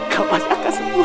kau pas akan semua